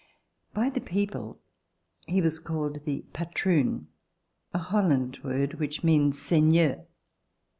By the people he was called the "patroon," a Holland word which means seig^ieur.